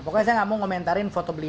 pokoknya saya gak mau ngomentarin foto beliau